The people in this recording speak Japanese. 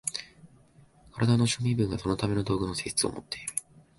身体の諸部分はそのための道具の性質をもっている。